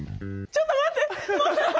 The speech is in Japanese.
ちょっと待って！